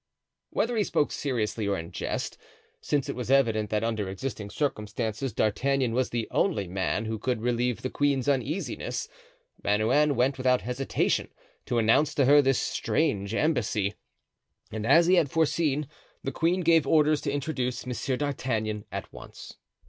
Whether he spoke seriously or in jest, since it was evident that under existing circumstances D'Artagnan was the only man who could relieve the queen's uneasiness, Bernouin went without hesitation to announce to her this strange embassy; and as he had foreseen, the queen gave orders to introduce Monsieur d'Artagnan at once.